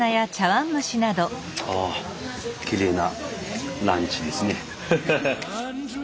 あきれいなランチですねハハハ。